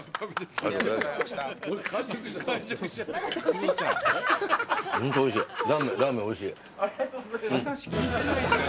ありがとうございます。